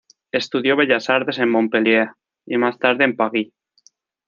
Estudió Bellas Artes en Montpellier y más tarde en París.